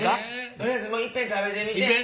とりあえずもういっぺん食べてみて。